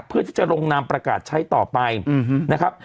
เพื่อที่จะลงนามประกาศใช้ต่อไปนะครับ